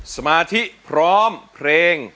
สมาธิพร้อมเพลง